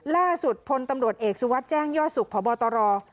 ล่าสุดพลตำรวจเอกสุวัสดิ์แจ้งยอดสุขพบตร